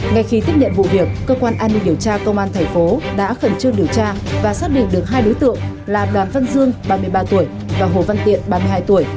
ngay khi tích niệm vụ việc cơ quan an ninh điều tra công an tp hcm đã khẩn trương điều tra và xác định được hai đối tượng là đàm văn dương ba mươi ba tuổi và hồ văn tiện ba mươi hai tuổi